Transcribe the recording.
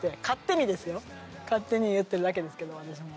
勝手にですよ勝手に言ってるだけですけど。